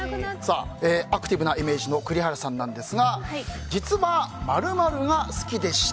アクティブなイメージの栗原さんですが実は○○が好きでした！